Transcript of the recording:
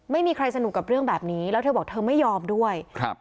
ไม่มีใครสนุกกับเรื่องแบบนี้แล้วเธอบอกเธอไม่ยอมด้วยครับ